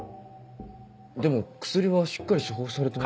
でも薬はしっかり処方されて。